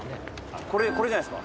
これこれじゃないですか？